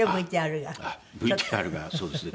ＶＴＲがそうですね。